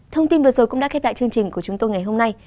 thông tin vừa rồi cũng đã kết đại chương trình của chúng tôi ngày hôm nay